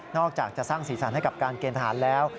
อกจากจะสร้างสีสันให้กับการเกณฑ์ทหารแล้ว